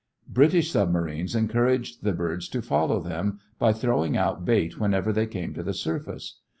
British submarines encouraged the birds to follow them, by throwing out bait whenever they came to the surface.